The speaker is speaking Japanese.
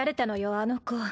あの子。